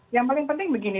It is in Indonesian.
yang paling penting begini